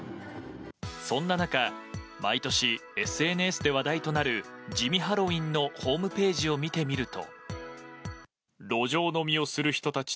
そんな中毎年ＳＮＳで話題となる地味ハロウィンのホームページを見てみると。